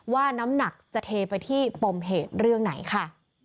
น้ำหนักจะเทไปที่ปมเหตุเรื่องไหนค่ะ